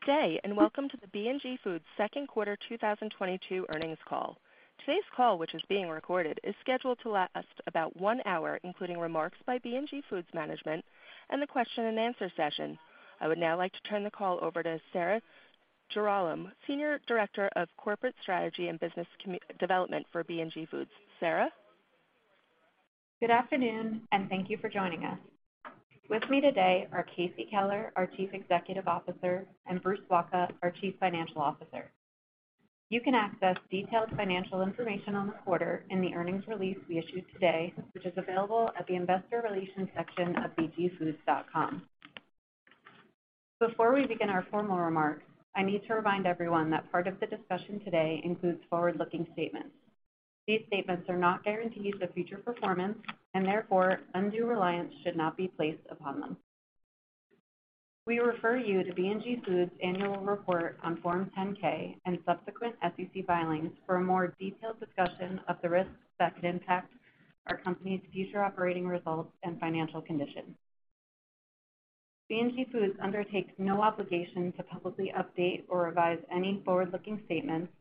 Good day, and welcome to the B&G Foods 2nd quarter 2022 earnings call. Today's call, which is being recorded, is scheduled to last about one hour, including remarks by B&G Foods management and the question and answer session. I would now like to turn the call over to Sarah Jarolem, Senior Director of Corporate Strategy and Business Development for B&G Foods. Sarah. Good afternoon, and thank you for joining us. With me today are Casey Keller, our Chief Executive Officer, and Bruce Wacha, our Chief Financial Officer. You can access detailed financial information on the quarter in the earnings release we issued today, which is available at the investor relations section of bgfoods.com. Before we begin our formal remarks, I need to remind everyone that part of the discussion today includes forward-looking statements. These statements are not guarantees of future performance, and therefore undue reliance should not be placed upon them. We refer you to B&G Foods annual report on Form 10-K and subsequent SEC filings for a more detailed discussion of the risks that could impact our company's future operating results and financial condition. B&G Foods undertakes no obligation to publicly update or revise any forward-looking statements,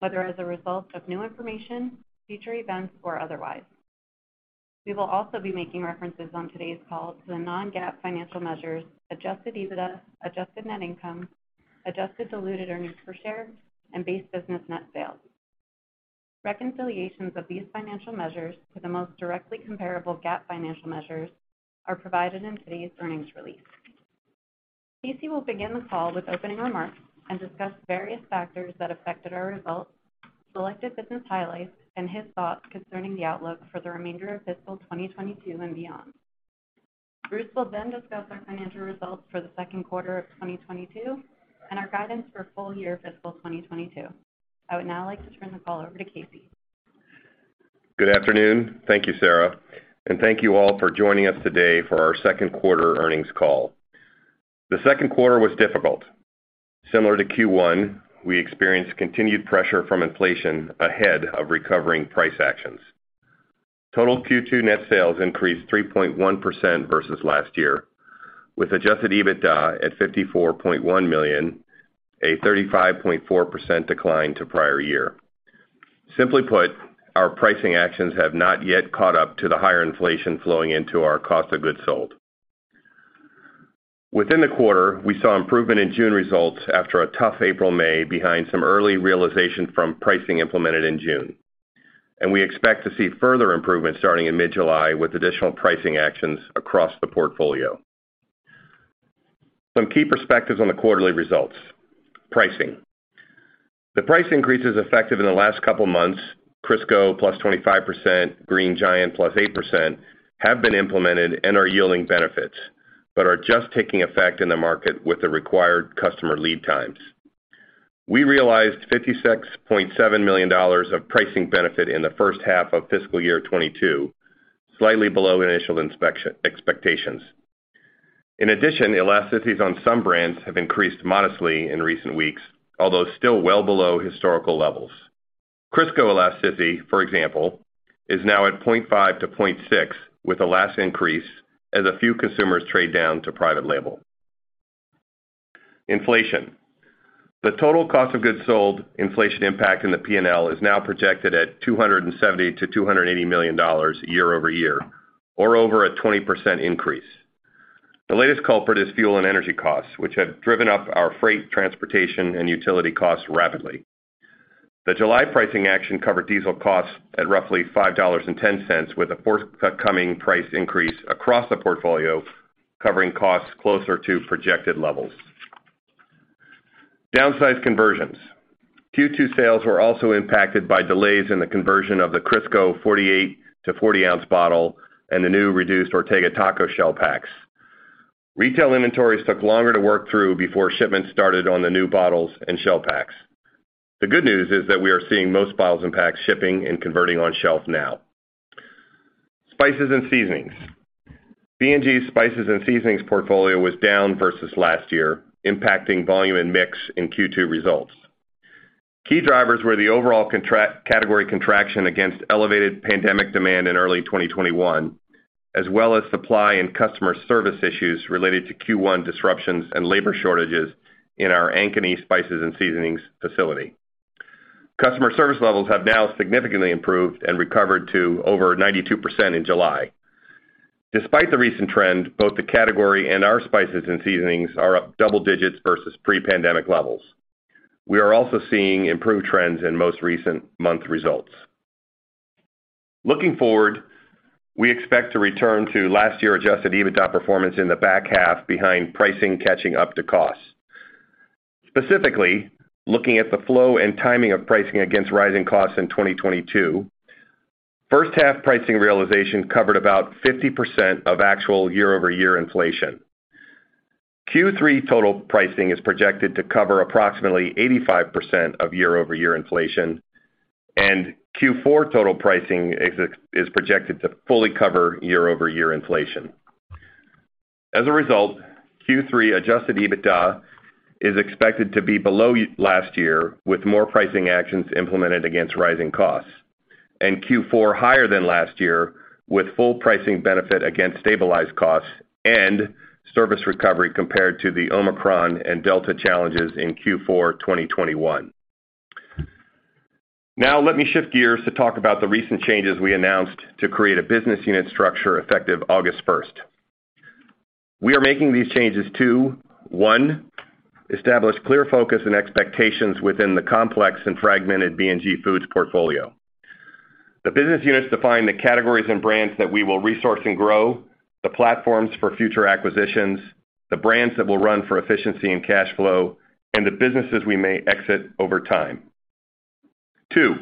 whether as a result of new information, future events or otherwise. We will also be making references on today's call to the non-GAAP financial measures, adjusted EBITDA, adjusted net income, adjusted diluted earnings per share, and base business net sales. Reconciliations of these financial measures to the most directly comparable GAAP financial measures are provided in today's earnings release. Casey will begin the call with opening remarks and discuss various factors that affected our results, selected business highlights, and his thoughts concerning the outlook for the remainder of fiscal 2022 and beyond. Bruce will then discuss our financial results for the 2nd quarter of 2022 and our guidance for full year fiscal 2022. I would now like to turn the call over to Casey. Good afternoon. Thank you, Sarah, and thank you all for joining us today for our 2nd quarter earnings call. The 2nd quarter was difficult. Similar to Q1, we experienced continued pressure from inflation ahead of recovering price actions. Total Q2 net sales increased 3.1% versus last year, with adjusted EBITDA at $54.1 million, a 35.4% decline to prior year. Simply put, our pricing actions have not yet caught up to the higher inflation flowing into our cost of goods sold. Within the quarter, we saw improvement in June results after a tough April, May behind some early realization from pricing implemented in June. We expect to see further improvements starting in mid-July with additional pricing actions across the portfolio. Some key perspectives on the quarterly results. Pricing. The price increases effective in the last couple months, Crisco +25%, Green Giant +8%, have been implemented and are yielding benefits, but are just taking effect in the market with the required customer lead times. We realized $56.7 million of pricing benefit in the first half of fiscal year 2022, slightly below initial expectations. In addition, elasticities on some brands have increased modestly in recent weeks, although still well below historical levels. Crisco elasticity, for example, is now at 0.5-0.6, with the last increase as a few consumers trade down to private label. Inflation. The total cost of goods sold inflation impact in the P&L is now projected at $270 million-$280 million year-over-year, or over a 20% increase. The latest culprit is fuel and energy costs, which have driven up our freight, transportation and utility costs rapidly. The July pricing action covered diesel costs at roughly $5.10, with a forthcoming price increase across the portfolio covering costs closer to projected levels. Downsize conversions. Q2 sales were also impacted by delays in the conversion of the Crisco 48 to 40-ounce bottle and the new reduced Ortega taco shell packs. Retail inventories took longer to work through before shipments started on the new bottles and shell packs. The good news is that we are seeing most bottles and packs shipping and converting on shelf now. Spices and seasonings. B&G's Spices and Seasonings portfolio was down versus last year, impacting volume and mix in Q2 results. Key drivers were the overall category contraction against elevated pandemic demand in early 2021, as well as supply and customer service issues related to Q1 disruptions and labor shortages in our Ankeny Spices and Seasonings facility. Customer service levels have now significantly improved and recovered to over 92% in July. Despite the recent trend, both the category and our spices and seasonings are up double digits versus pre-pandemic levels. We are also seeing improved trends in most recent month results. Looking forward, we expect to return to last year adjusted EBITDA performance in the back half behind pricing catching up to costs. Specifically, looking at the flow and timing of pricing against rising costs in 2022, first half pricing realization covered about 50% of actual year-over-year inflation. Q3 total pricing is projected to cover approximately 85% of year-over-year inflation, and Q4 total pricing ex FX is projected to fully cover year-over-year inflation. As a result, Q3 adjusted EBITDA is expected to be below last year, with more pricing actions implemented against rising costs. Q4 higher than last year with full pricing benefit against stabilized costs and service recovery compared to the Omicron and Delta challenges in Q4 2021. Now let me shift gears to talk about the recent changes we announced to create a business unit structure effective August 1. We are making these changes to, one, establish clear focus and expectations within the complex and fragmented B&G Foods portfolio. The business units define the categories and brands that we will resource and grow, the platforms for future acquisitions, the brands that will run for efficiency and cash flow, and the businesses we may exit over time. Two,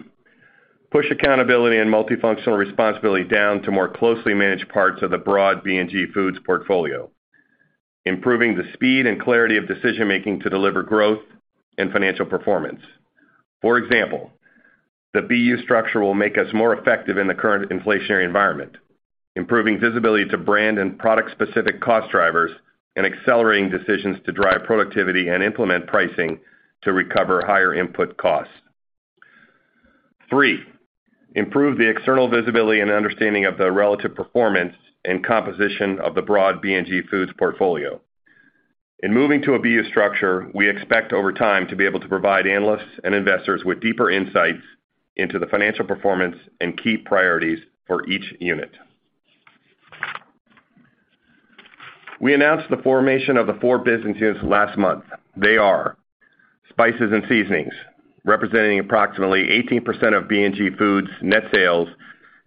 push accountability and multifunctional responsibility down to more closely manage parts of the broad B&G Foods portfolio, improving the speed and clarity of decision-making to deliver growth and financial performance. For example, the BU structure will make us more effective in the current inflationary environment, improving visibility to brand and product-specific cost drivers, and accelerating decisions to drive productivity and implement pricing to recover higher input costs. Three, improve the external visibility and understanding of the relative performance and composition of the broad B&G Foods portfolio. In moving to a BU structure, we expect over time to be able to provide analysts and investors with deeper insights into the financial performance and key priorities for each unit. We announced the formation of the four business units last month. They are Spices and Seasonings, representing approximately 18% of B&G Foods net sales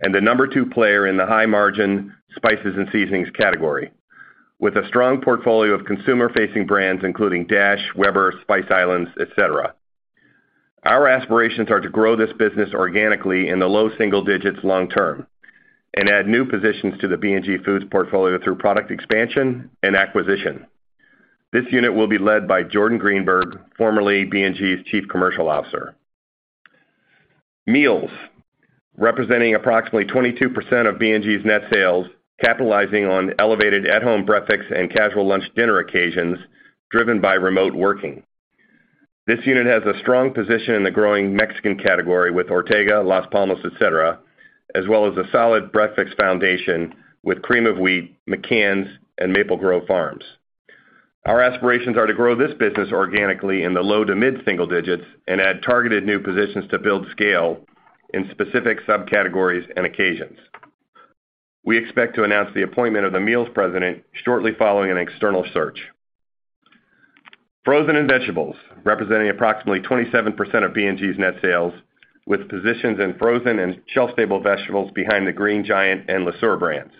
and the number two player in the high-margin spices and seasonings category, with a strong portfolio of consumer-facing brands including Dash, Weber, Spice Islands, et cetera. Our aspirations are to grow this business organically in the low single digits long term and add new positions to the B&G Foods portfolio through product expansion and acquisition. This unit will be led by Jordan Greenberg, formerly B&G's Chief Commercial Officer. Meals, representing approximately 22% of B&G's net sales, capitalizing on elevated at-home breakfast and casual lunch dinner occasions driven by remote working. This unit has a strong position in the growing Mexican category with Ortega, Las Palmas, et cetera, as well as a solid breakfast foundation with Cream of Wheat, McCann's, and Maple Grove Farms. Our aspirations are to grow this business organically in the low to mid-single digits and add targeted new positions to build scale in specific subcategories and occasions. We expect to announce the appointment of the meals president shortly following an external search. Frozen & Vegetables, representing approximately 27% of B&G's net sales, with positions in frozen and shelf-stable vegetables behind the Green Giant and Le Sueur brands.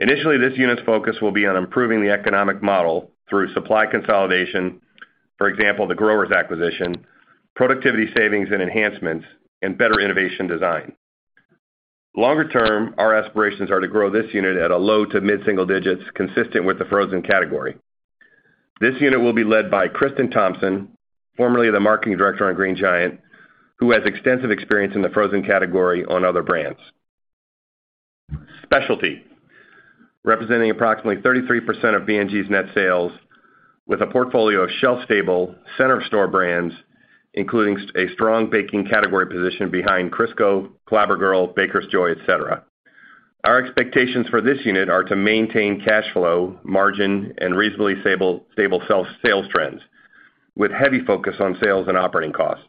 Initially, this unit's focus will be on improving the economic model through supply consolidation, for example, the Growers acquisition, productivity savings and enhancements, and better innovation design. Longer term, our aspirations are to grow this unit at a low to mid-single digits consistent with the frozen category. This unit will be led by Kristin Thompson, formerly the marketing director on Green Giant, who has extensive experience in the frozen category on other brands. Specialty, representing approximately 33% of B&G's net sales with a portfolio of shelf-stable center-of-store brands, including a strong baking category position behind Crisco, Clabber Girl, Baker's Joy, et cetera. Our expectations for this unit are to maintain cash flow, margin, and reasonably stable sales trends with heavy focus on sales and operating costs.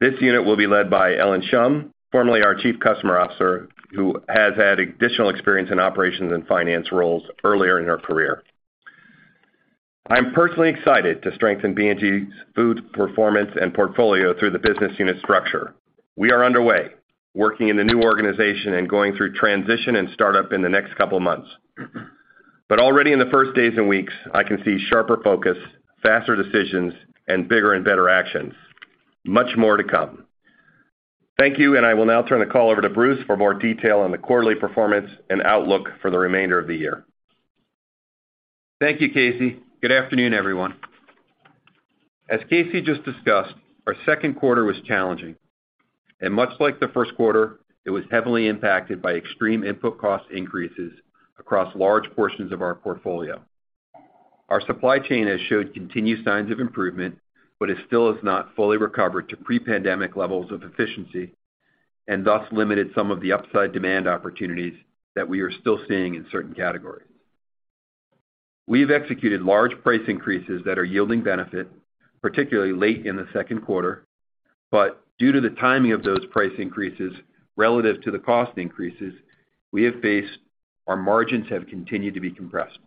This unit will be led by Ellen Shum, formerly our Chief Customer Officer, who has had additional experience in operations and finance roles earlier in her career. I'm personally excited to strengthen B&G Foods' performance and portfolio through the business unit structure. We are underway, working in the new organization and going through transition and startup in the next couple months. Already in the first days and weeks, I can see sharper focus, faster decisions, and bigger and better actions. Much more to come. Thank you, and I will now turn the call over to Bruce for more detail on the quarterly performance and outlook for the remainder of the year. Thank you, Casey. Good afternoon, everyone. As Casey just discussed, our 2nd quarter was challenging, and much like the 1st quarter, it was heavily impacted by extreme input cost increases across large portions of our portfolio. Our supply chain has showed continued signs of improvement, but it still has not fully recovered to pre-pandemic levels of efficiency and thus limited some of the upside demand opportunities that we are still seeing in certain categories. We've executed large price increases that are yielding benefit, particularly late in the 2nd quarter, but due to the timing of those price increases relative to the cost increases we have faced, our margins have continued to be compressed.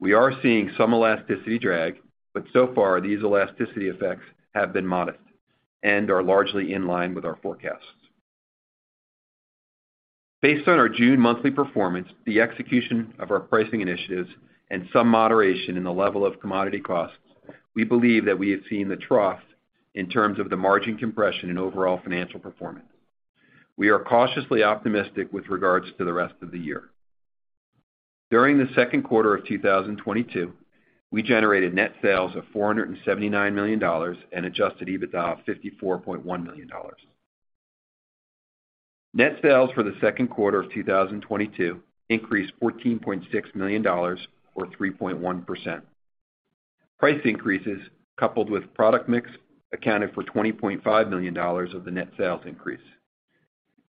We are seeing some elasticity drag, but so far, these elasticity effects have been modest and are largely in line with our forecasts. Based on our June monthly performance, the execution of our pricing initiatives, and some moderation in the level of commodity costs, we believe that we have seen the trough in terms of the margin compression and overall financial performance. We are cautiously optimistic with regards to the rest of the year. During the 2nd quarter of 2022, we generated net sales of $479 million and adjusted EBITDA of $54.1 million. Net sales for the 2nd quarter of 2022 increased $14.6 million or 3.1%. Price increases coupled with product mix accounted for $20.5 million of the net sales increase.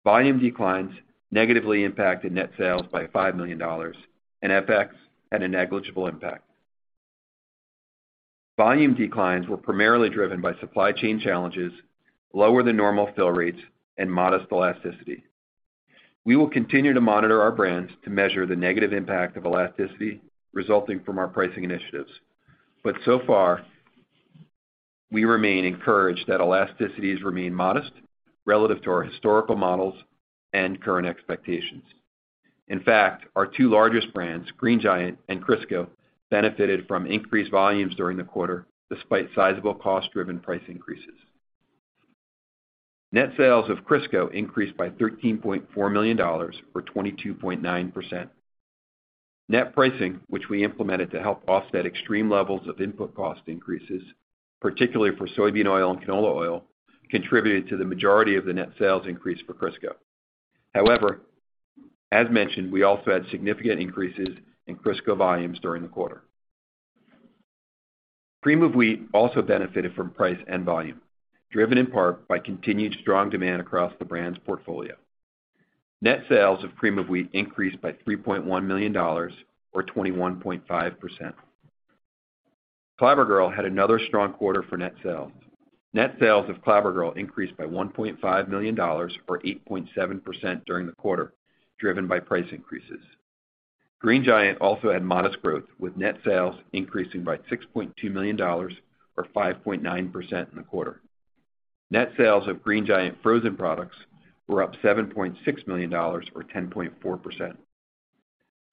Volume declines negatively impacted net sales by $5 million and FX had a negligible impact. Volume declines were primarily driven by supply chain challenges, lower than normal fill rates, and modest elasticity. We will continue to monitor our brands to measure the negative impact of elasticity resulting from our pricing initiatives. So far, we remain encouraged that elasticities remain modest relative to our historical models and current expectations. In fact, our two largest brands, Green Giant and Crisco, benefited from increased volumes during the quarter, despite sizable cost-driven price increases. Net sales of Crisco increased by $13.4 million, or 22.9%. Net pricing, which we implemented to help offset extreme levels of input cost increases, particularly for soybean oil and canola oil, contributed to the majority of the net sales increase for Crisco. However, as mentioned, we also had significant increases in Crisco volumes during the quarter. Cream of Wheat also benefited from price and volume, driven in part by continued strong demand across the brand's portfolio. Net sales of Cream of Wheat increased by $3.1 million or 21.5%. Clabber Girl had another strong quarter for net sales. Net sales of Clabber Girl increased by $1.5 million or 8.7% during the quarter, driven by price increases. Green Giant also had modest growth, with net sales increasing by $6.2 million or 5.9% in the quarter. Net sales of Green Giant frozen products were up $7.6 million or 10.4%.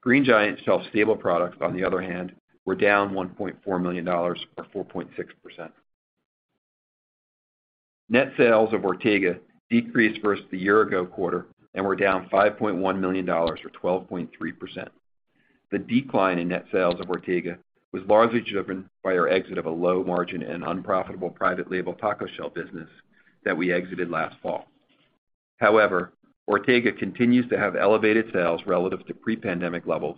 Green Giant shelf-stable products, on the other hand, were down $1.4 million or 4.6%. Net sales of Ortega decreased versus the year ago quarter and were down $5.1 million or 12.3%. The decline in net sales of Ortega was largely driven by our exit of a low margin and unprofitable private label taco shell business that we exited last fall. However, Ortega continues to have elevated sales relative to pre-pandemic levels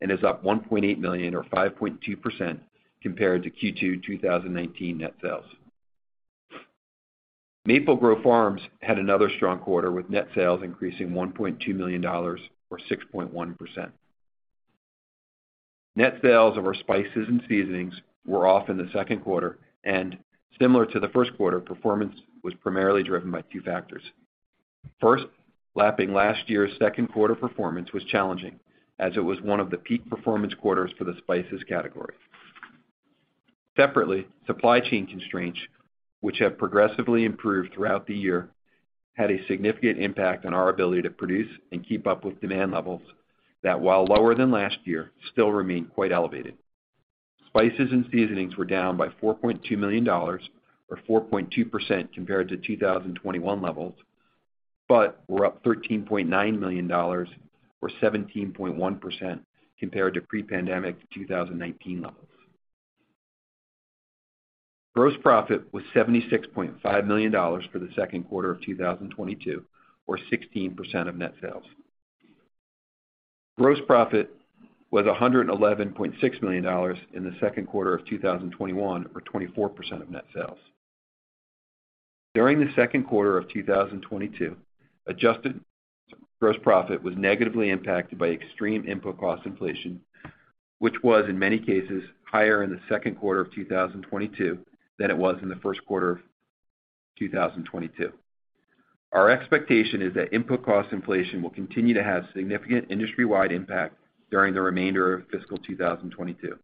and is up $1.8 million or 5.2% compared to Q2 2019 net sales. Maple Grove Farms had another strong quarter, with net sales increasing $1.2 million or 6.1%. Net sales of our spices and seasonings were off in the 2nd quarter, and similar to the 1st quarter, performance was primarily driven by two factors. First, lapping last year's 2nd quarter performance was challenging as it was one of the peak performance quarters for the spices category. Separately, supply chain constraints, which have progressively improved throughout the year, had a significant impact on our ability to produce and keep up with demand levels that, while lower than last year, still remain quite elevated. Spices and seasonings were down by $4.2 million or 4.2% compared to 2021 levels, but were up $13.9 million or 17.1% compared to pre-pandemic 2019 levels. Gross profit was $76.5 million for the 2nd quarter of 2022 or 16% of net sales. Gross profit was $111.6 million in the 2nd quarter of 2021, or 24% of net sales. During the 2nd quarter of 2022, adjusted gross profit was negatively impacted by extreme input cost inflation, which was in many cases higher in the 2nd quarter of 2022 than it was in the 1st quarter of 2022. Our expectation is that input cost inflation will continue to have significant industry-wide impact during the remainder of fiscal 2022,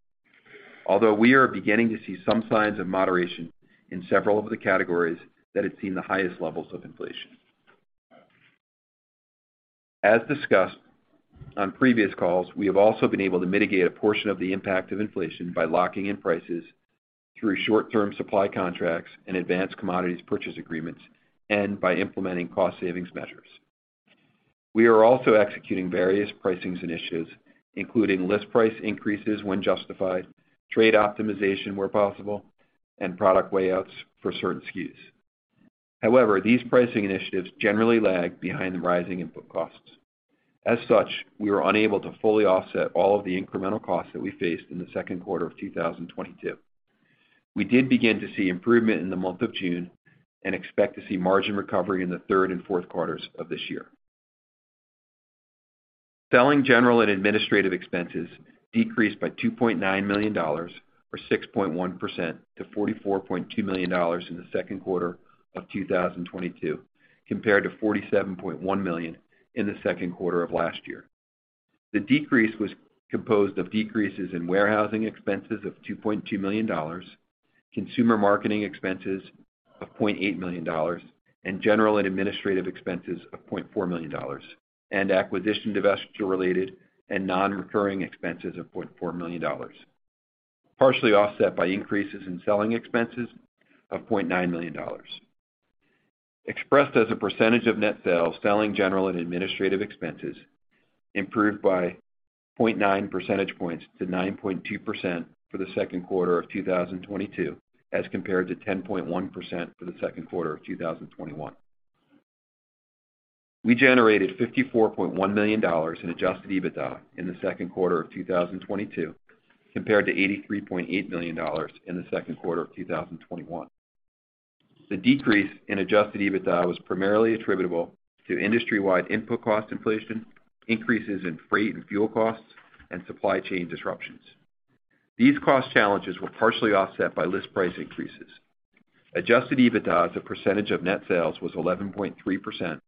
although we are beginning to see some signs of moderation in several of the categories that have seen the highest levels of inflation. As discussed on previous calls, we have also been able to mitigate a portion of the impact of inflation by locking in prices through short-term supply contracts and advanced commodities purchase agreements and by implementing cost savings measures. We are also executing various pricing initiatives, including list price increases when justified, trade optimization where possible, and product weigh outs for certain SKUs. However, these pricing initiatives generally lag behind the rising input costs. As such, we were unable to fully offset all of the incremental costs that we faced in the 2nd quarter of 2022. We did begin to see improvement in the month of June and expect to see margin recovery in the third and 4th quarters of this year. Selling, general, and administrative expenses decreased by $2.9 million or 6.1% to $44.2 million in the 2nd quarter of 2022 compared to $47.1 million in the 2nd quarter of last year. The decrease was composed of decreases in warehousing expenses of $2.2 million, consumer marketing expenses of $0.8 million, and general and administrative expenses of $0.4 million, and acquisition divestiture related and non-recurring expenses of $0.4 million, partially offset by increases in selling expenses of $0.9 million. Expressed as a percentage of net sales, selling, general, and administrative expenses improved by 0.9 percentage points to 9.2% for the 2nd quarter of 2022 as compared to 10.1% for the 2nd quarter of 2021. We generated $54.1 million in adjusted EBITDA in the 2nd quarter of 2022, compared to $83.8 million in the 2nd quarter of 2021. The decrease in adjusted EBITDA was primarily attributable to industry-wide input cost inflation, increases in freight and fuel costs, and supply chain disruptions. These cost challenges were partially offset by list price increases. Adjusted EBITDA as a percentage of net sales was 11.3%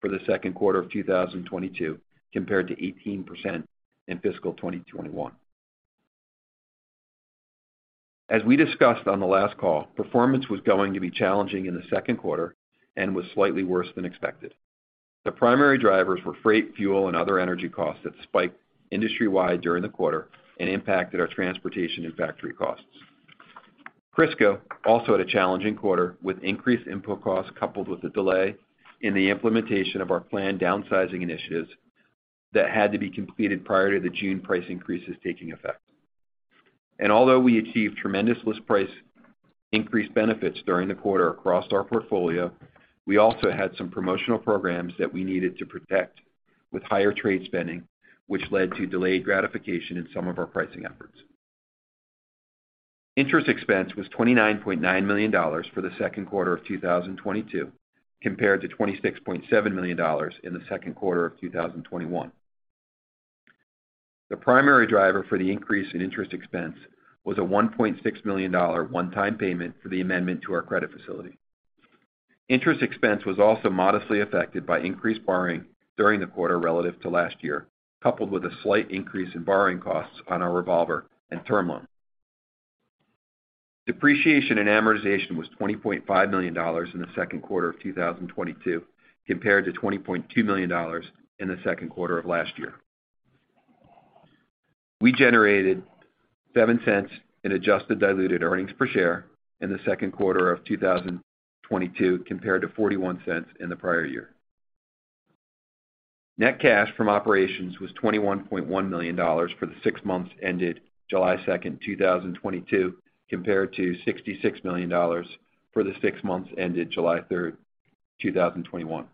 for the 2nd quarter of 2022 compared to 18% in fiscal 2021. As we discussed on the last call, performance was going to be challenging in the 2nd quarter and was slightly worse than expected. The primary drivers were freight, fuel and other energy costs that spiked industry-wide during the quarter and impacted our transportation and factory costs. Crisco also had a challenging quarter with increased input costs coupled with the delay in the implementation of our planned downsizing initiatives that had to be completed prior to the June price increases taking effect. Although we achieved tremendous list price increase benefits during the quarter across our portfolio, we also had some promotional programs that we needed to protect with higher trade spending, which led to delayed gratification in some of our pricing efforts. Interest expense was $29.9 million for the 2nd quarter of 2022 compared to $26.7 million in the 2nd quarter of 2021. The primary driver for the increase in interest expense was a $1.6 million one-time payment for the amendment to our credit facility. Interest expense was also modestly affected by increased borrowing during the quarter relative to last year, coupled with a slight increase in borrowing costs on our revolver and term loan. Depreciation and amortization was $20.5 million in the 2nd quarter of 2022 compared to $20.2 million in the 2nd quarter of last year. We generated $0.07 in adjusted diluted earnings per share in the 2nd quarter of 2022 compared to $0.41 in the prior year. Net cash from operations was $21.1 million for the six months ended July 2, 2022 compared to $66 million for the six months ended July 3, 2021.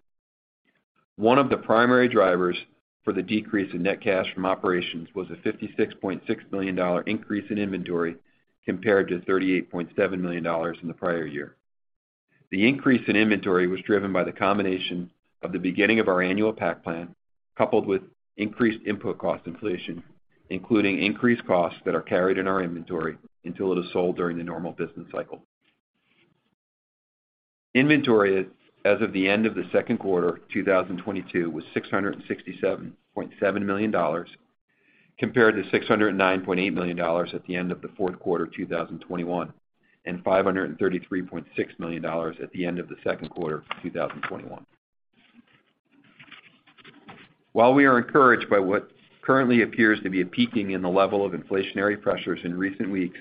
One of the primary drivers for the decrease in net cash from operations was a $56.6 million increase in inventory compared to $38.7 million in the prior year. The increase in inventory was driven by the combination of the beginning of our annual pack plan, coupled with increased input cost inflation, including increased costs that are carried in our inventory until it is sold during the normal business cycle. Inventory as of the end of the 2nd quarter 2022 was $667.7 million compared to $609.8 million at the end of the 4th quarter 2021, and $533.6 million at the end of the 2nd quarter of 2021. While we are encouraged by what currently appears to be a peaking in the level of inflationary pressures in recent weeks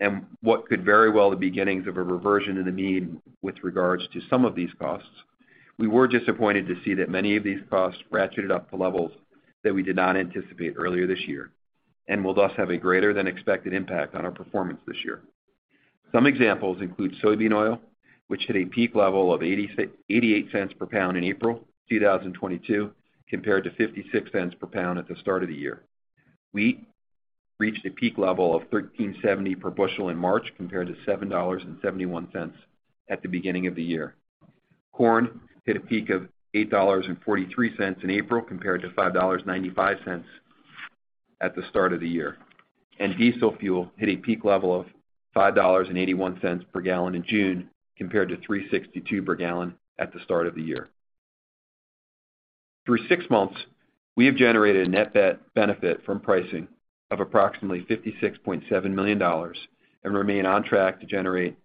and what could very well be the beginnings of a reversion in the mean with regards to some of these costs, we were disappointed to see that many of these costs ratcheted up to levels that we did not anticipate earlier this year, and will thus have a greater than expected impact on our performance this year. Some examples include soybean oil, which hit a peak level of $0.88 per pound in April 2022 compared to $0.56 per pound at the start of the year. Wheat reached a peak level of $13.70 per bushel in March compared to $7.71 at the beginning of the year. Corn hit a peak of $8.43 in April compared to $5.95 at the start of the year. Diesel fuel hit a peak level of $5.81 per gallon in June compared to $3.62 per gallon at the start of the year. Through six months, we have generated a net benefit from pricing of approximately $56.7 million and remain on track to generate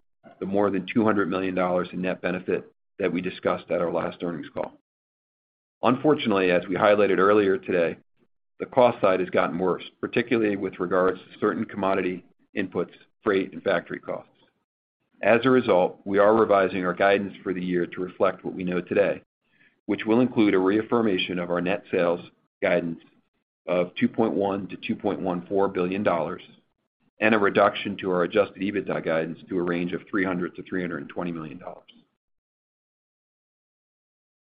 more than $200 million in net benefit that we discussed at our last earnings call. Unfortunately, as we highlighted earlier today, the cost side has gotten worse, particularly with regards to certain commodity inputs, freight, and factory costs. As a result, we are revising our guidance for the year to reflect what we know today, which will include a reaffirmation of our net sales guidance of $2.1 billion-$2.14 billion and a reduction to our adjusted EBITDA guidance to a range of $300 million-$320 million.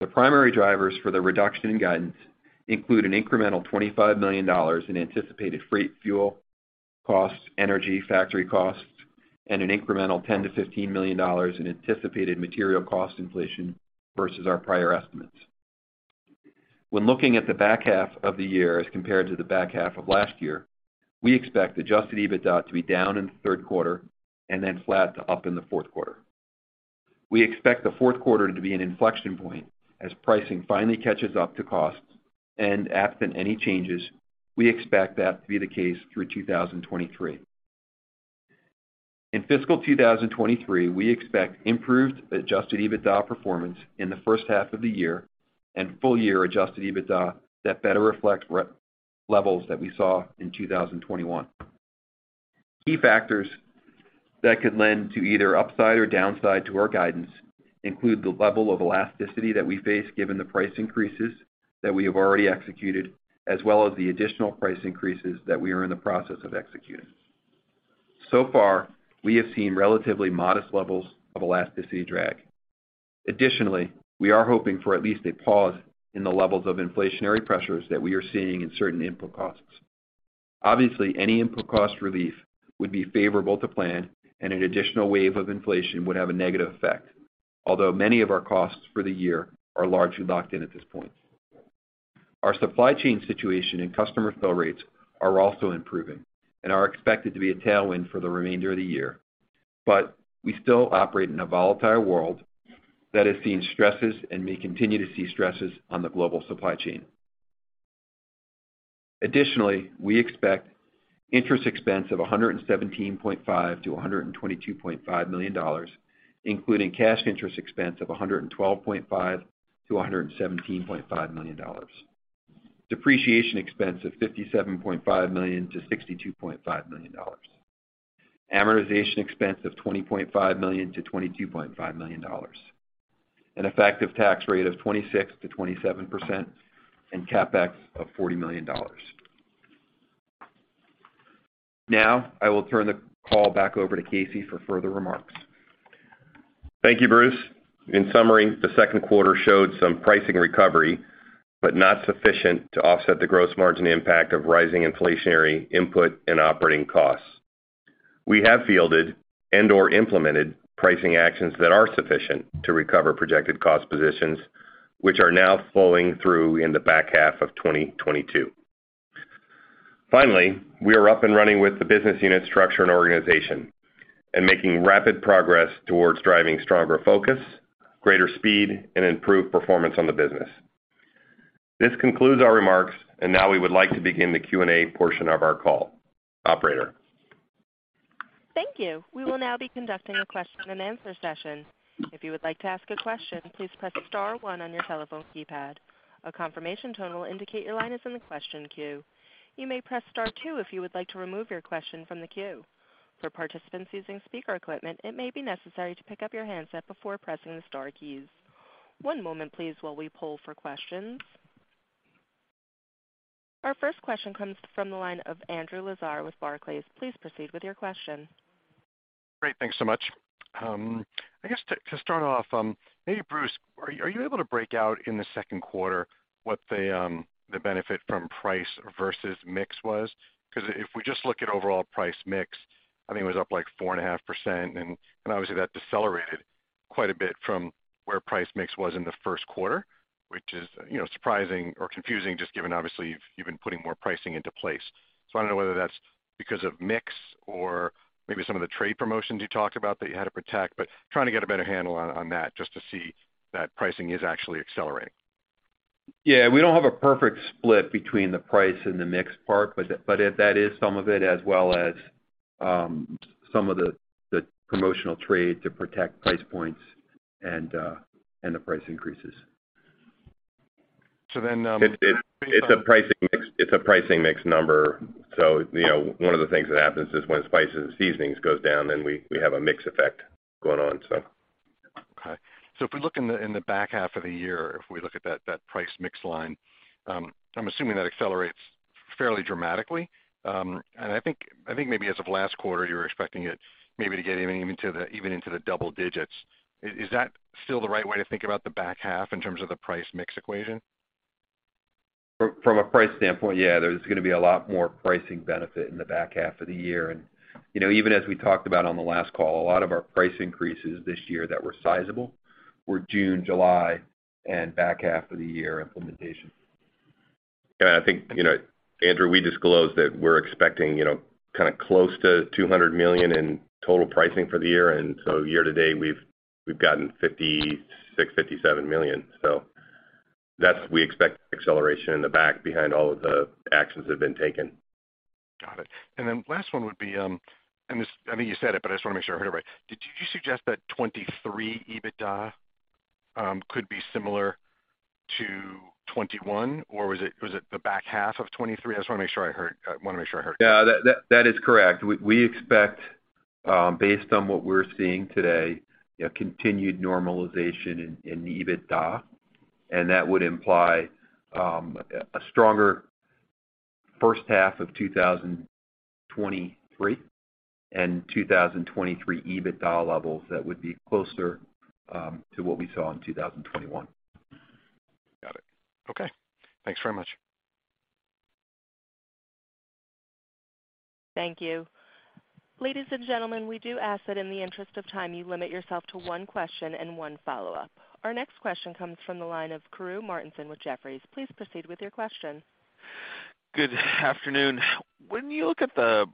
The primary drivers for the reduction in guidance include an incremental $25 million in anticipated freight, fuel costs, energy, factory costs, and an incremental $10 million-$15 million in anticipated material cost inflation versus our prior estimates. When looking at the back half of the year as compared to the back half of last year, we expect adjusted EBITDA to be down in the 3rd quarter and then flat to up in the 4th quarter. We expect the 4th quarter to be an inflection point as pricing finally catches up to costs. Absent any changes, we expect that to be the case through 2023. In fiscal 2023, we expect improved adjusted EBITDA performance in the first half of the year and full year adjusted EBITDA that better reflect levels that we saw in 2021. Key factors that could lend to either upside or downside to our guidance include the level of elasticity that we face given the price increases that we have already executed, as well as the additional price increases that we are in the process of executing. So far, we have seen relatively modest levels of elasticity drag. Additionally, we are hoping for at least a pause in the levels of inflationary pressures that we are seeing in certain input costs. Obviously, any input cost relief would be favorable to plan, and an additional wave of inflation would have a negative effect. Although many of our costs for the year are largely locked in at this point. Our supply chain situation and customer fill rates are also improving and are expected to be a tailwind for the remainder of the year. We still operate in a volatile world that has seen stresses and may continue to see stresses on the global supply chain. Additionally, we expect interest expense of $117.5 million-$122.5 million, including cash interest expense of $112.5 million-$117.5 million. Depreciation expense of $57.5 million-$62.5 million. Amortization expense of $20.5 million-$22.5 million. An effective tax rate of 26%-27% and CapEx of $40 million. Now, I will turn the call back over to Casey for further remarks. Thank you, Bruce. In summary, the 2nd quarter showed some pricing recovery, but not sufficient to offset the gross margin impact of rising inflationary input and operating costs. We have fielded and/or implemented pricing actions that are sufficient to recover projected cost positions, which are now flowing through in the back half of 2022. Finally, we are up and running with the business unit structure and organization and making rapid progress towards driving stronger focus, greater speed, and improved performance on the business. This concludes our remarks, and now we would like to begin the Q&A portion of our call. Operator? Thank you. We will now be conducting a question and answer session. If you would like to ask a question, please press star one on your telephone keypad. A confirmation tone will indicate your line is in the question queue. You may press star two if you would like to remove your question from the queue. For participants using speaker equipment, it may be necessary to pick up your handset before pressing the star keys. One moment please while we poll for questions. Our first question comes from the line of Andrew Lazar with Barclays. Please proceed with your question. Great. Thanks so much. I guess to start off, maybe Bruce, are you able to break out in the 2nd quarter what the benefit from price versus mix was? Because if we just look at overall price mix, I think it was up like 4.5%. Obviously, that decelerated quite a bit from where price mix was in the 1st quarter, which is surprising or confusing just given obviously you've been putting more pricing into place. I don't know whether that's because of mix or maybe some of the trade promotions you talked about that you had to protect, but trying to get a better handle on that just to see that pricing is actually accelerating. Yeah, we don't have a perfect split between the price and the mix part, but that is some of it as well as some of the promotional trade to protect price points and the price increases. So then, um- It's a pricing mix number. You know, one of the things that happens is when spices and seasonings goes down, then we have a mix effect going on, so. Okay. If we look in the back half of the year, if we look at that price mix line, I'm assuming that accelerates fairly dramatically. I think maybe as of last quarter, you were expecting it maybe to get even into the double digits. Is that still the right way to think about the back half in terms of the price mix equation? From a price standpoint, yeah, there's gonna be a lot more pricing benefit in the back half of the year. You know, even as we talked about on the last call, a lot of our price increases this year that were sizable were June, July, and back half of the year implementation. Yeah, I think, you know, Andrew, we disclosed that we're expecting, you know, kinda close to $200 million in total pricing for the year. Year to date, we've gotten 56-57 million. That's, we expect acceleration in the back half behind all of the actions that have been taken. Got it. Then last one would be, I think you said it, but I just wanna make sure I heard it right. Did you suggest that 2023 EBITDA could be similar to 2021? Or was it the back half of 2023? I just wanna make sure I heard. Yeah. That is correct. We expect, based on what we're seeing today, you know, continued normalization in the EBITDA, and that would imply a stronger first half of 2023 and 2023 EBITDA levels that would be closer to what we saw in 2021. Got it. Okay. Thanks very much. Thank you. Ladies and gentlemen, we do ask that in the interest of time, you limit yourself to one question and one follow-up. Our next question comes from the line of Rob Dickerson with Jefferies. Please proceed with your question. Good afternoon. When you look at the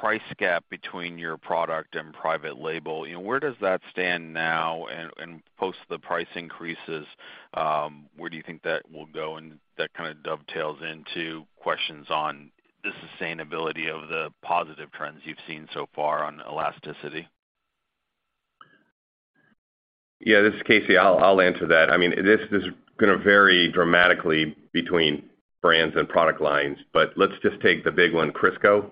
price gap between your product and private label, you know, where does that stand now and post the price increases, where do you think that will go? That kinda dovetails into questions on the sustainability of the positive trends you've seen so far on elasticity. Yeah, this is Casey. I'll answer that. I mean, this is gonna vary dramatically between brands and product lines, but let's just take the big one, Crisco,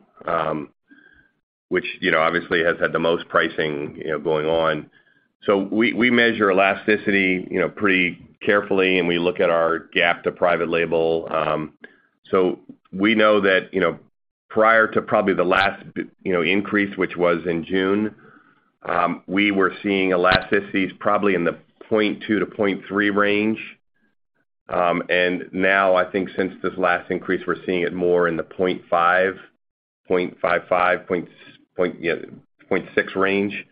which, you know, obviously has had the most pricing, you know, going on. We measure elasticity, you know, pretty carefully, and we look at our gap to private label. We know that, you know, prior to probably the last, you know, increase, which was in June, we were seeing elasticities probably in the 0.2-0.3 range. Now I think since this last increase, we're seeing it more in the 0.5, 0.55, 0.6 range.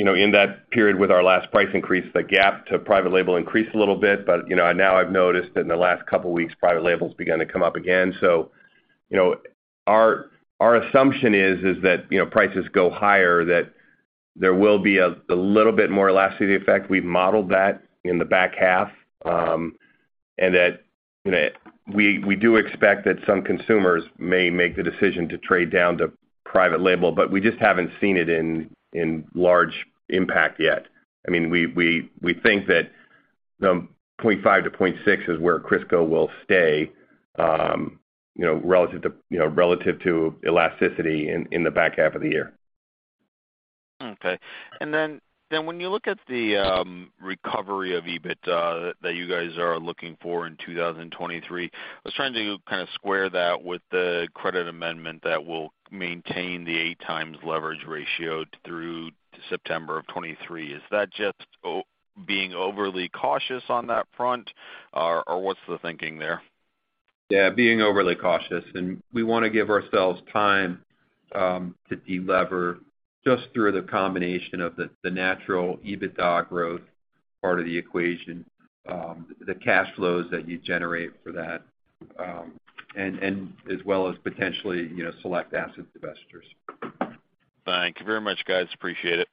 You know, in that period with our last price increase, the gap to private label increased a little bit. You know, now I've noticed in the last couple weeks, private label's begun to come up again. You know, our assumption is that, you know, prices go higher, that there will be a little bit more elasticity effect. We've modeled that in the back half, and that, you know, we do expect that some consumers may make the decision to trade down to private label, but we just haven't seen it in large impact yet. I mean, we think that the 0.5-0.6 is where Crisco will stay, you know, relative to elasticity in the back half of the year. Okay. When you look at the recovery of EBITDA that you guys are looking for in 2023, I was trying to kind of square that with the credit amendment that will maintain the 8x leverage ratio through to September 2023. Is that just being overly cautious on that front? Or, what's the thinking there? Yeah, being overly cautious. We wanna give ourselves time to de-lever just through the combination of the natural EBITDA growth part of the equation, the cash flows that you generate for that, and as well as potentially, you know, select asset divestitures. Thank you very much, guys. Appreciate it.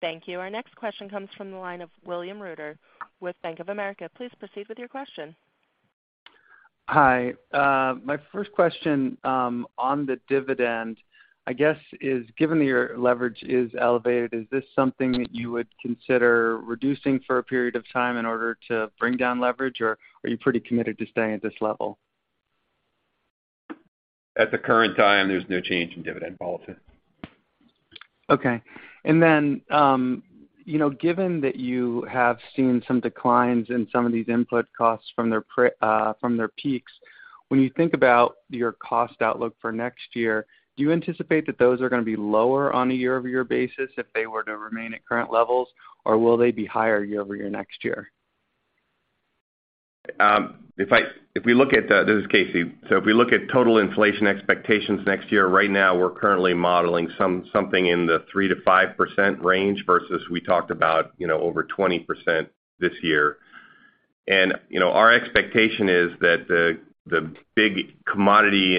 Thank you. Our next question comes from the line of William Reuter with Bank of America. Please proceed with your question. Hi. My first question, on the dividend, I guess, is given your leverage is elevated, is this something that you would consider reducing for a period of time in order to bring down leverage, or are you pretty committed to staying at this level? At the current time, there's no change in dividend policy. Okay. You know, given that you have seen some declines in some of these input costs from their peaks, when you think about your cost outlook for next year, do you anticipate that those are gonna be lower on a year-over-year basis if they were to remain at current levels, or will they be higher year-over-year next year? This is Casey. If we look at total inflation expectations next year, right now we're currently modeling something in the 3%-5% range versus we talked about, you know, over 20% this year. You know, our expectation is that the big commodity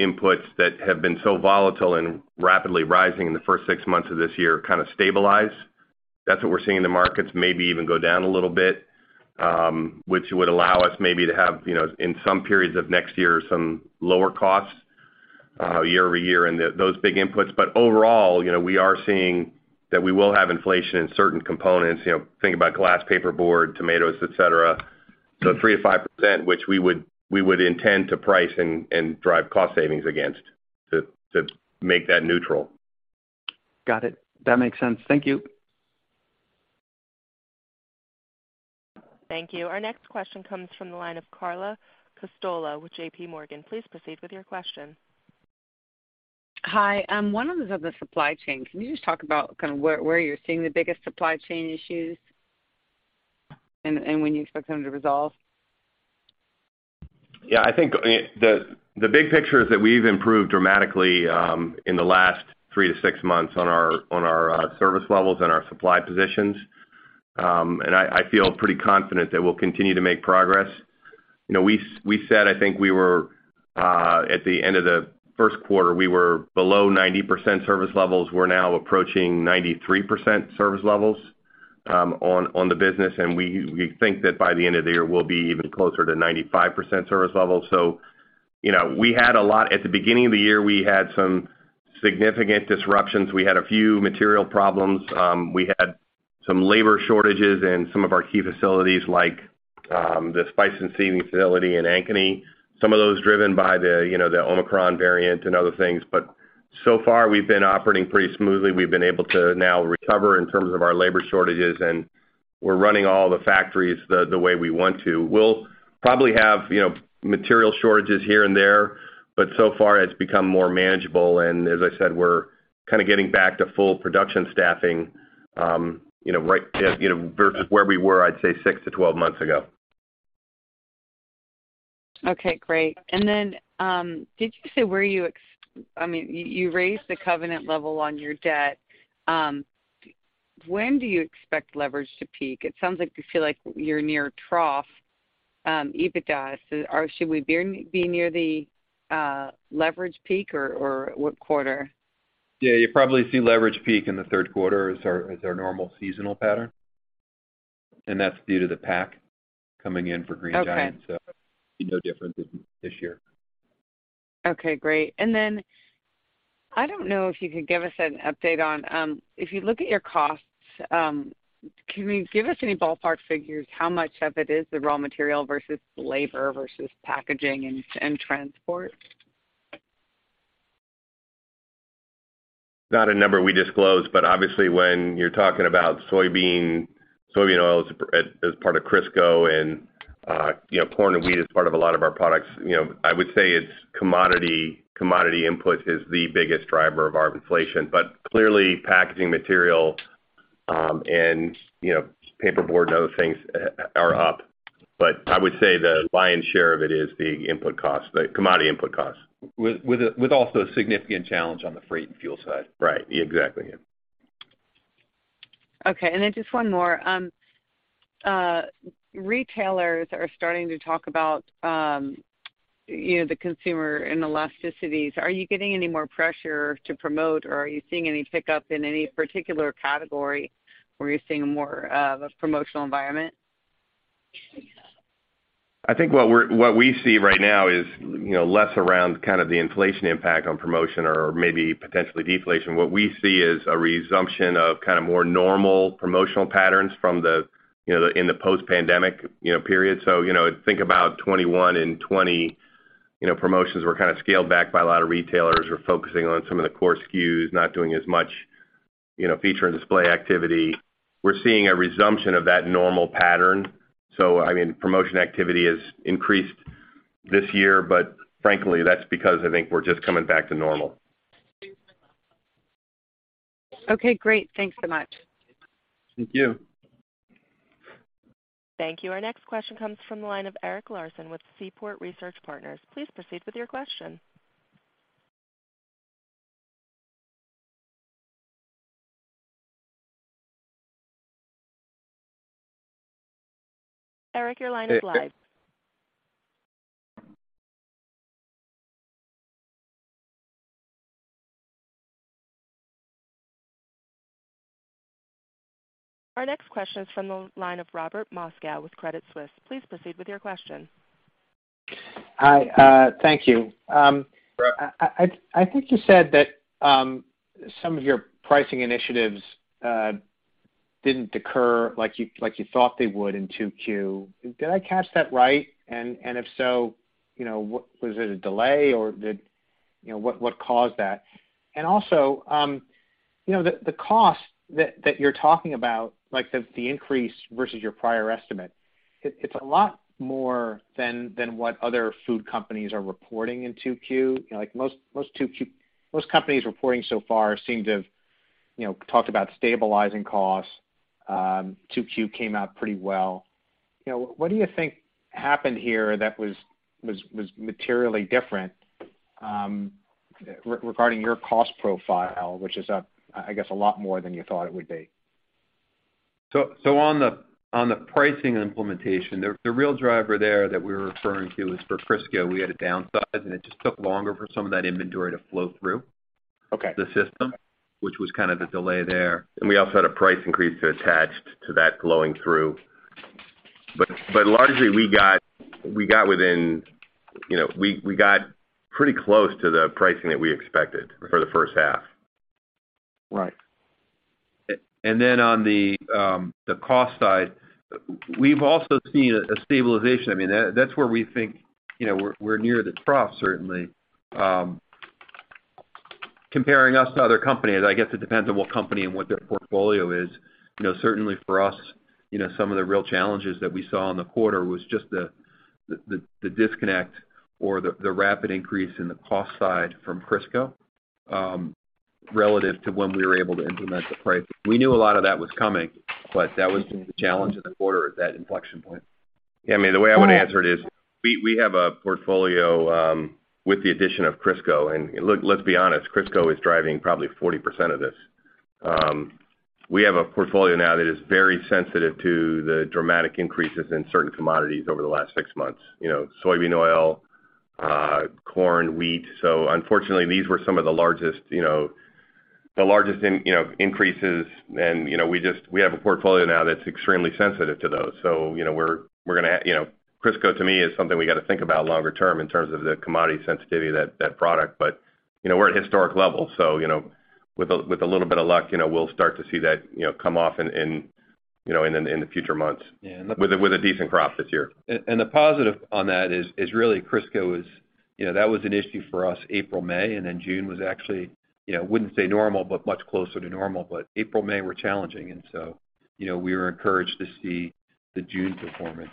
inputs that have been so volatile and rapidly rising in the first six months of this year kind of stabilize. That's what we're seeing in the markets, maybe even go down a little bit, which would allow us maybe to have, you know, in some periods of next year, some lower costs, year-over-year in those big inputs. Overall, you know, we are seeing that we will have inflation in certain components, you know, think about glass, paperboard, tomatoes, et cetera. 3%-5%, which we would intend to price and drive cost savings against to make that neutral. Got it. That makes sense. Thank you. Thank you. Our next question comes from the line of Carla Casella with JPMorgan. Please proceed with your question. Hi. On the supply chain, can you just talk about kind of where you're seeing the biggest supply chain issues and when you expect them to resolve? Yeah. I think, I mean, the big picture is that we've improved dramatically in the last three to six months on our service levels and our supply positions. I feel pretty confident that we'll continue to make progress. You know, we said, I think we were at the end of the 1st quarter, we were below 90% service levels. We're now approaching 93% service levels on the business. We think that by the end of the year, we'll be even closer to 95% service levels. You know, we had a lot at the beginning of the year, we had some significant disruptions. We had a few material problems. We had some labor shortages in some of our key facilities like the spice and seasoning facility in Ankeny. Some of those driven by the, you know, the Omicron variant and other things. So far we've been operating pretty smoothly. We've been able to now recover in terms of our labor shortages, and we're running all the factories the way we want to. We'll probably have, you know, material shortages here and there, but so far it's become more manageable. We're kind of getting back to full production staffing, you know, right at, you know, versus where we were, I'd say six to 12 months ago. Okay, great. Did you say where you—I mean, you raised the covenant level on your debt. When do you expect leverage to peak? It sounds like you feel like you're near trough EBITDA. Should we be near the leverage peak or what quarter? Yeah, you'll probably see leverage peak in the 3rd quarter as our normal seasonal pattern. That's due to the pack coming in for Green Giant. Okay. It'll be no different this year. Okay, great. I don't know if you could give us an update on, if you look at your costs, can you give us any ballpark figures how much of it is the raw material versus labor versus packaging and transport? Not a number we disclose, but obviously, when you're talking about soybean oil as part of Crisco and, you know, corn and wheat as part of a lot of our products, you know, I would say it's commodity input is the biggest driver of our inflation. But clearly, packaging material, and, you know, paperboard and other things are up. But I would say the lion's share of it is the input costs, the commodity input costs. With also a significant challenge on the freight and fuel side. Right. Exactly, yeah. Okay. Just one more. Retailers are starting to talk about, you know, the consumer and elasticities. Are you getting any more pressure to promote, or are you seeing any pickup in any particular category where you're seeing more of a promotional environment? I think what we see right now is, you know, less around kind of the inflation impact on promotion or maybe potentially deflation. What we see is a resumption of kind of more normal promotional patterns from the, you know, in the post-pandemic, you know, period. You know, think about 2021 and 2020, you know, promotions were kind of scaled back by a lot of retailers who were focusing on some of the core SKUs, not doing as much, you know, feature and display activity. We're seeing a resumption of that normal pattern. I mean, promotion activity has increased this year, but frankly, that's because I think we're just coming back to normal. Okay, great. Thanks so much. Thank you. Thank you. Our next question comes from the line of Eric Larson with Seaport Research Partners. Please proceed with your question. Eric, your line is live. Our next question is from the line of Robert Moskow with Credit Suisse. Please proceed with your question. Hi, thank you. Rob. I think you said that some of your pricing initiatives didn't occur like you thought they would in 2Q. Did I catch that right? If so, you know, was it a delay or did you know what caused that? And also, you know, the cost that you're talking about, like the increase versus your prior estimate, it's a lot more than what other food companies are reporting in 2Q. You know, like, most 2Q companies reporting so far seem to have, you know, talked about stabilizing costs. 2Q came out pretty well. You know, what do you think happened here that was materially different regarding your cost profile, which is up, I guess, a lot more than you thought it would be? On the pricing implementation, the real driver there that we were referring to is for Crisco, we had to downsize, and it just took longer for some of that inventory to flow through. Okay. The system, which was kind of the delay there. We also had a price increase to attach to that flowing through. But largely, we got within, you know, we got pretty close to the pricing that we expected for the first half. Right. On the cost side, we've also seen a stabilization. I mean, that's where we think, you know, we're near the trough certainly. Comparing us to other companies, I guess it depends on what company and what their portfolio is. You know, certainly for us, you know, some of the real challenges that we saw in the quarter was just the disconnect or the rapid increase in the cost side from Crisco, relative to when we were able to implement the price. We knew a lot of that was coming, but that was the challenge in the quarter at that inflection point. Yeah. I mean, the way I would answer it is we have a portfolio with the addition of Crisco. Look, let's be honest, Crisco is driving probably 40% of this. We have a portfolio now that is very sensitive to the dramatic increases in certain commodities over the last six months. You know, soybean oil, corn, wheat. Unfortunately, these were some of the largest increases and we have a portfolio now that's extremely sensitive to those. You know, we're gonna have. Crisco to me is something we gotta think about longer term in terms of the commodity sensitivity of that product. You know, we're at historic levels, so, you know, with a little bit of luck, you know, we'll start to see that, you know, come off in the future months with a decent crop this year. The positive on that is really Crisco is, you know, that was an issue for us April, May, and then June was actually, you know, wouldn't say normal, but much closer to normal. April, May were challenging and so, you know, we were encouraged to see the June performance.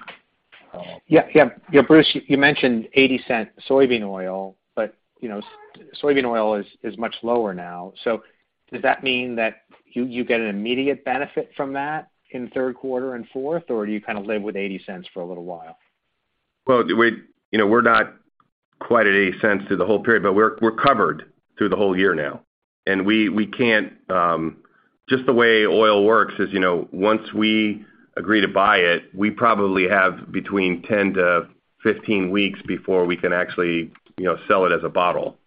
Yeah, Bruce, you mentioned $0.80 soybean oil, but, you know, soybean oil is much lower now. Does that mean that you get an immediate benefit from that in 3rd quarter and fourth, or do you kind of live with $0.80 for a little while? Well, you know, we're not quite at $0.08 through the whole period, but we're covered through the whole year now. We can't. Just the way oil works is, you know, once we agree to buy it, we probably have between 10-15 weeks before we can actually, you know, sell it as a bottle.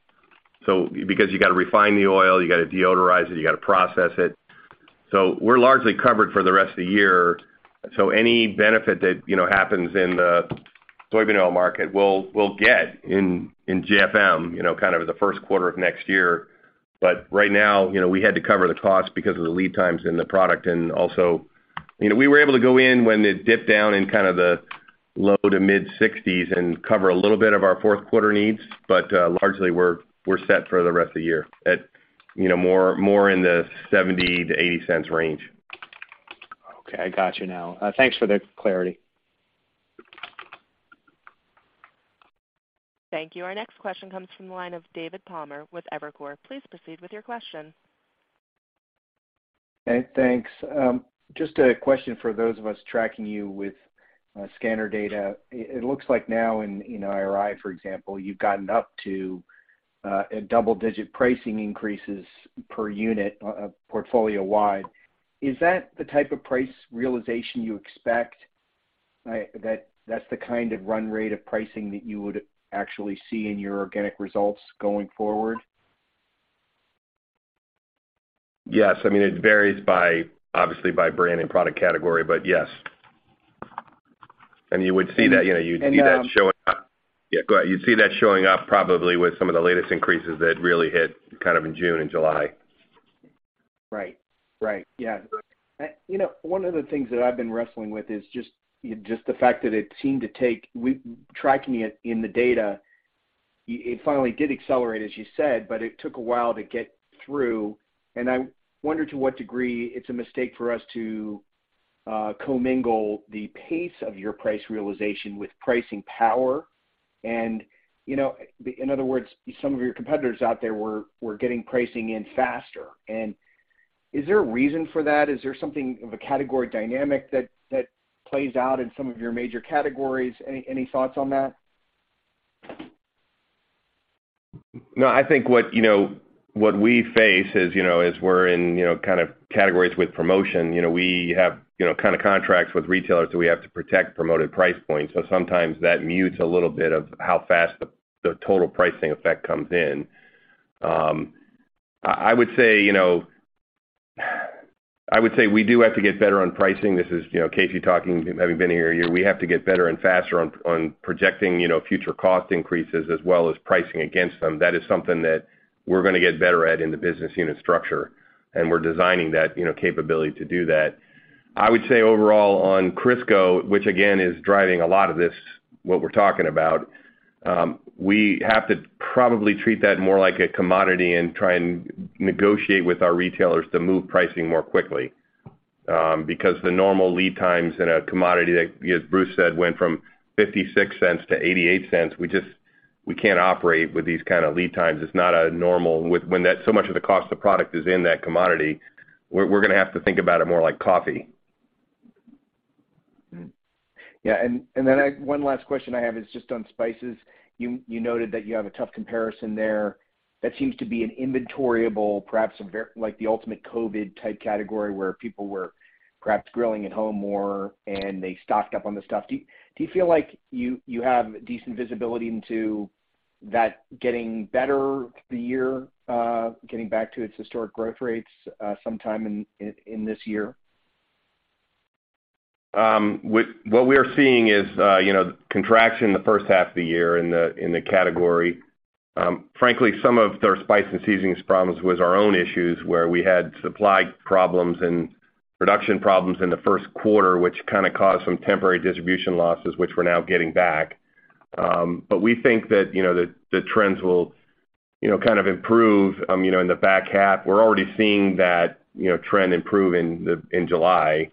Because you gotta refine the oil, you gotta deodorize it, you gotta process it. We're largely covered for the rest of the year. Any benefit that, you know, happens in the soybean oil market, we'll get in GFM, you know, kind of the 1st quarter of next year. Right now, you know, we had to cover the cost because of the lead times in the product. You know, we were able to go in when it dipped down in kind of the low to mid-60s and cover a little bit of our 4th quarter needs, but largely we're set for the rest of the year at, you know, more in the $0.70-$0.80 range. Okay, I got you now. Thanks for the clarity. Thank you. Our next question comes from the line of David Palmer with Evercore. Please proceed with your question. Hey, thanks. Just a question for those of us tracking you with scanner data. It looks like now in IRI, for example, you've gotten up to a double-digit pricing increases per unit portfolio-wide. Is that the type of price realization you expect? That's the kind of run rate of pricing that you would actually see in your organic results going forward? Yes. I mean, it varies by, obviously by brand and product category, but yes. You would see that, you know, you'd see that showing up. And, um- Yeah, go ahead. You'd see that showing up probably with some of the latest increases that really hit kind of in June and July. Right. Yeah. You know, one of the things that I've been wrestling with is just the fact that it seemed to take. Tracking it in the data, it finally did accelerate, as you said, but it took a while to get through. I wonder to what degree it's a mistake for us to commingle the pace of your price realization with pricing power and, you know, in other words, some of your competitors out there were getting pricing in faster. Is there a reason for that? Is there something of a category dynamic that plays out in some of your major categories? Any thoughts on that? No, I think what we face is, you know, we're in, you know, kind of categories with promotion. You know, we have, you know, kinda contracts with retailers, so we have to protect promoted price points. Sometimes that mutes a little bit of how fast the total pricing effect comes in. I would say, you know, we do have to get better on pricing. This is, you know, Casey talking, having been here a year, we have to get better and faster on projecting, you know, future cost increases as well as pricing against them. That is something that we're gonna get better at in the business unit structure, and we're designing that, you know, capability to do that. I would say overall on Crisco, which again is driving a lot of this, what we're talking about, we have to probably treat that more like a commodity and try and negotiate with our retailers to move pricing more quickly, because the normal lead times in a commodity that, as Bruce said, went from $0.56 to $0.88, we just can't operate with these kinda lead times. It's not a normal. When that so much of the cost of product is in that commodity, we're gonna have to think about it more like coffee. Yeah. One last question I have is just on spices. You noted that you have a tough comparison there. That seems to be an inventory-able, perhaps like the ultimate COVID-type category where people were perhaps grilling at home more and they stocked up on the stuff. Do you feel like you have decent visibility into that getting better through the year, getting back to its historic growth rates, sometime in this year? What we're seeing is, you know, contraction in the first half of the year in the category. Frankly, some of their spice and seasonings problems was our own issues where we had supply problems and production problems in the 1st quarter, which kinda caused some temporary distribution losses, which we're now getting back. We think that, you know, the trends will, you know, kind of improve, you know, in the back half. We're already seeing that, you know, trend improve in July.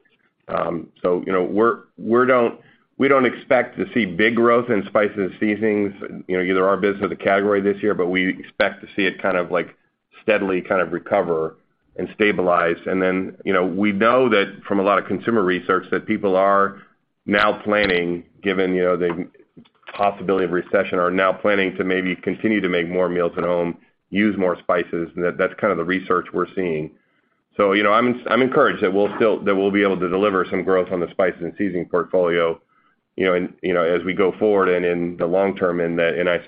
You know, we don't expect to see big growth in spice and seasonings, you know, either our business or the category this year, but we expect to see it kind of like steadily kind of recover and stabilize. You know, we know that from a lot of consumer research that people are now planning, given, you know, the possibility of recession, to maybe continue to make more meals at home, use more spices, and that's kind of the research we're seeing. You know, I'm encouraged that we'll be able to deliver some growth on the spice and seasoning portfolio, you know, and, you know, as we go forward and in the long term,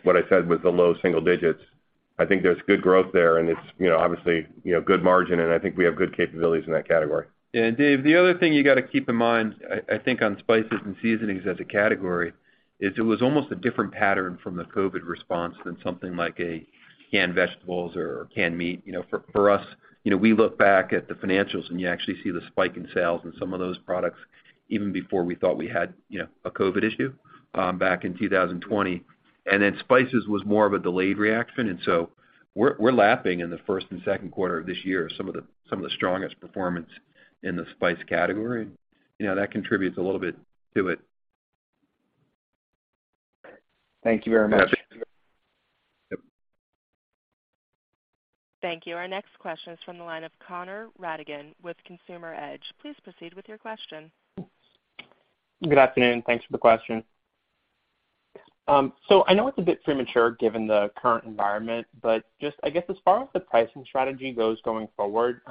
what I said was the low single digits. I think there's good growth there and it's, you know, obviously, you know, good margin, and I think we have good capabilities in that category. Dave, the other thing you gotta keep in mind, I think on spices and seasonings as a category, is that it was almost a different pattern from the COVID response than something like a canned vegetables or canned meat. You know, for us, you know, we look back at the financials and you actually see the spike in sales in some of those products even before we thought we had, you know, a COVID issue back in 2020. Spices was more of a delayed reaction, and so we're lapping in the first and 2nd quarter of this year some of the strongest performance in the spice category. You know, that contributes a little bit to it. Thank you very much. Yeah. Thank you. Our next question is from the line of Connor Rattigan with Consumer Edge. Please proceed with your question. Good afternoon, thanks for the question. I know it's a bit premature given the current environment, but just I guess as far as the pricing strategy goes going forward,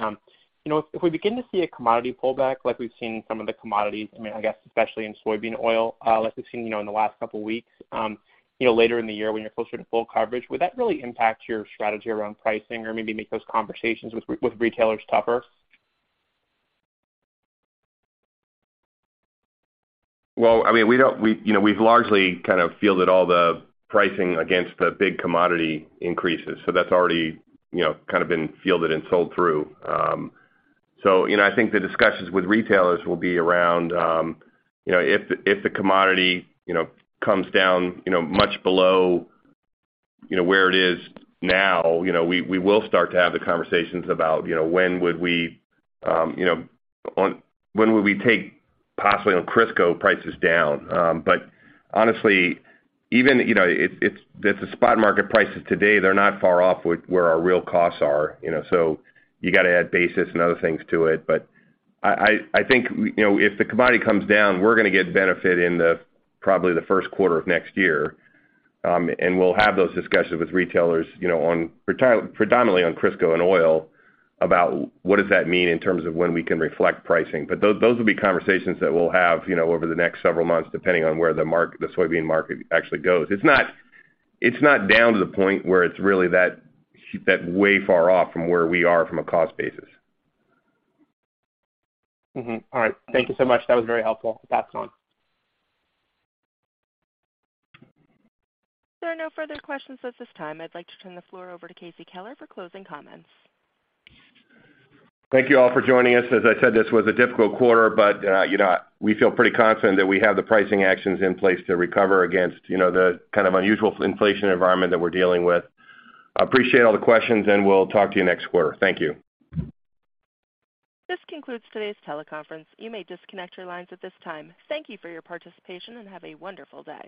you know, if we begin to see a commodity pullback like we've seen some of the commodities, I mean, I guess especially in soybean oil, like we've seen, you know, in the last couple weeks, you know, later in the year when you're closer to full coverage, would that really impact your strategy around pricing or maybe make those conversations with retailers tougher? I mean, we, you know, we've largely kind of fielded all the pricing against the big commodity increases, so that's already, you know, kind of been fielded and sold through. You know, I think the discussions with retailers will be around, you know, if the commodity, you know, comes down, you know, much below, you know, where it is now, you know, we will start to have the conversations about, you know, when would we, you know, when would we take possibly on Crisco prices down. Honestly, even, you know, it's the spot market prices today, they're not far off with where our real costs are, you know. You gotta add basis and other things to it. I think, you know, if the commodity comes down, we're gonna get benefit in the probably the 1st quarter of next year, and we'll have those discussions with retailers, you know, predominantly on Crisco and oil about what does that mean in terms of when we can reflect pricing. Those will be conversations that we'll have, you know, over the next several months, depending on where the soybean market actually goes. It's not down to the point where it's really that way far off from where we are from a cost basis. All right. Thank you so much. That was very helpful. Pass it on. There are no further questions at this time. I'd like to turn the floor over to Casey Keller for closing comments. Thank you all for joining us. As I said, this was a difficult quarter, but, you know, we feel pretty confident that we have the pricing actions in place to recover against, you know, the kind of unusual inflation environment that we're dealing with. I appreciate all the questions, and we'll talk to you next quarter. Thank you. This concludes today's teleconference. You may disconnect your lines at this time. Thank you for your participation, and have a wonderful day.